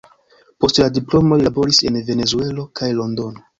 Post la diplomo li laboris en Venezuelo kaj Londono.